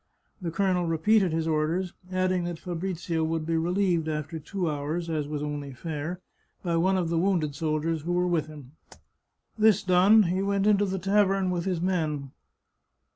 The colonel repeated his orders, adding that Fabrizio would be relieved after two hours, as was only fair, by one of the wounded soldiers who were with him. This done, he went into the tavern with his men.